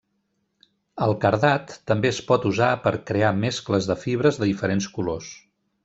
El cardat també es pot usar per crear mescles de fibres de diferents colors.